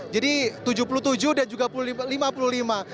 jadi tujuh puluh tujuh dan juga lima puluh lima